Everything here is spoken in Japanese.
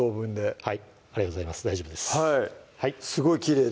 はい